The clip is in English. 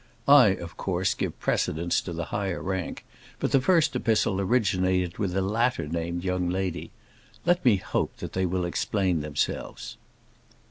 I, of course, give precedence to the higher rank, but the first epistle originated with the latter named young lady. Let me hope that they will explain themselves.